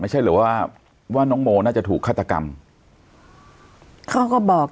ไม่ใช่หรือว่าว่าน้องโมน่าจะถูกฆาตกรรมเขาก็บอก